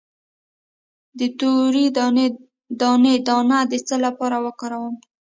د تورې دانې دانه د څه لپاره وکاروم؟